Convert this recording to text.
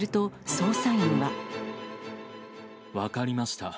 分かりました。